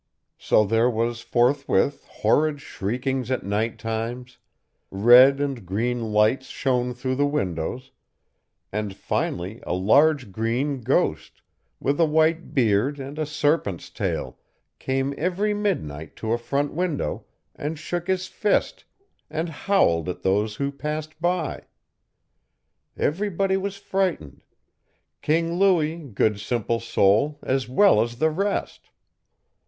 So there was forthwith horrid shriekings at night times, red and green lights shone through the windows, and, finally, a large green ghost, with a white beard and a serpent's tail, came every midnight to a front window, and shook his fist, and howled at those who passed by. Everybody was frightened King Louis, good simple soul! as well as the rest.